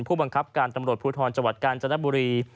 ผู้บังคับการตำรวจภูทรจังหวัดกาญจนบุรี